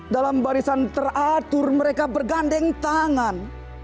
dalam barisan teratur mereka bergandeng tangan